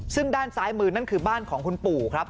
ซึ่งด้านซ้ายมือนั่นคือบ้านของคุณปู่ครับ